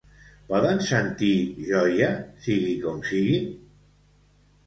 Poden sentir joia, sigui com sigui?